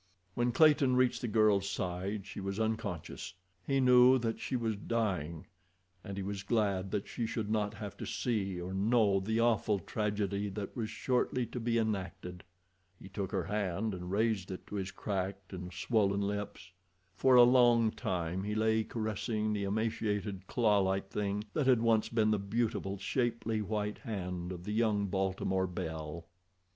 When Clayton reached the girl's side she was unconscious—he knew that she was dying, and he was glad that she should not have to see or know the awful tragedy that was shortly to be enacted. He took her hand and raised it to his cracked and swollen lips. For a long time he lay caressing the emaciated, clawlike thing that had once been the beautiful, shapely white hand of the young Baltimore belle.